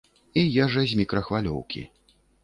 І ежа з мікрахвалёўкі.